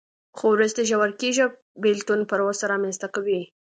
خو وروسته ژور کېږي او بېلتون پروسه رامنځته کوي.